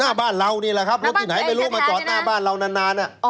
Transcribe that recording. หน้าบ้านเรานี่แหละครับรถที่ไหนไม่รู้มาจอดหน้าบ้านเรานาน